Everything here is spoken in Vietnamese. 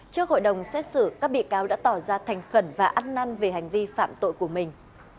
trước hội đồng xét xử các bị cáo đã tỏ ra thành khẩn và ăn năn về hành vi phạm tội của mình